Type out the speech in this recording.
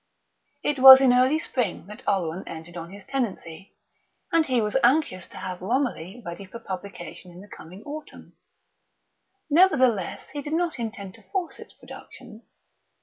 It was in early spring that Oleron entered on his tenancy, and he was anxious to have Romilly ready for publication in the coming autumn. Nevertheless, he did not intend to force its production.